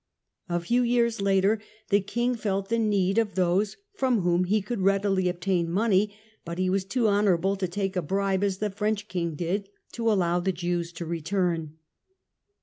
A few years later the king felt the need of those from whom he could readily obtain money, but he was too honourable to take a bribe (as the French king did) to allow the Jews to return.